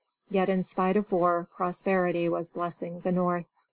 Yet in spite of war prosperity was blessing the North.